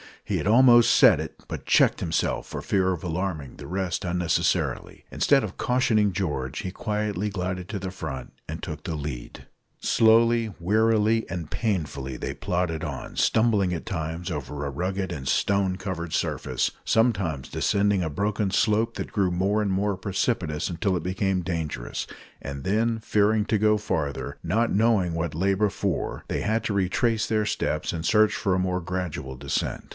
He had almost said it, but checked himself for fear of alarming the rest unnecessarily. Instead of cautioning George, he quietly glided to the front, and took the lead. Slowly, wearily, and painfully they plodded on, stumbling at times over a rugged and stone covered surface, sometimes descending a broken slope that grew more and more precipitous until it became dangerous, and then, fearing to go farther not knowing what lay before they had to retrace their steps and search for a more gradual descent.